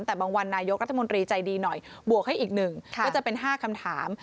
แต่บางวันนายกรัฐมนตรีใจดีหน่อยบวกให้อีก๑ก็จะเป็น๕คำถาม